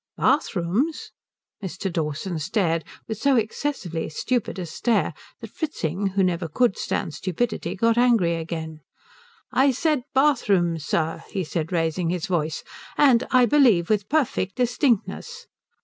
"Bathrooms?" Mr. Dawson stared with so excessively stupid a stare that Fritzing, who heaver could stand stupidity, got angry again. "I said bathrooms, sir," he said, raising his voice, "and I believe with perfect distinctness."